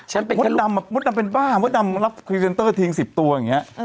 โหมดดำเป็นบ้าโหมดดำรับยืนเตอร์ทิง๑๐ตัวอันยังไง